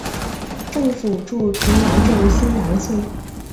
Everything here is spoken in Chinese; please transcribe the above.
政府驻瓶窑镇新窑村。